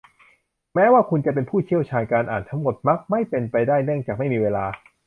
แม้ว่าคุณจะเป็นผู้เชี่ยวชาญการอ่านทั้งหมดมักไม่เป็นไปได้เนื่องจากไม่มีเวลา